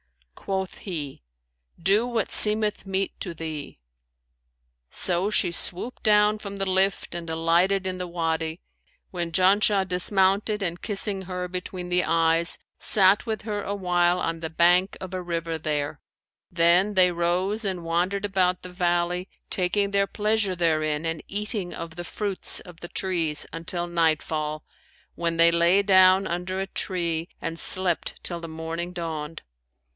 Quoth he, "Do what seemeth meet to thee!' So she swooped down from the lift and alighted in the Wady, when Janshah dismounted and kissing her between the eyes,[FN#549] sat with her awhile on the bank of a river there; then they rose and wandered about the valley, taking their pleasure therein and eating of the fruits of the trees, until nightfall, when they lay down under a tree and slept till the morning dawned.